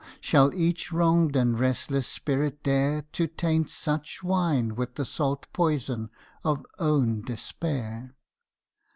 shall each wronged and restless spirit dare To taint such wine with the salt poison of own despair!